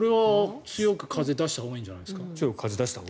強く風を出したほうがいいんじゃないですか？